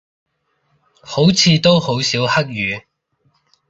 好似都好少黑雨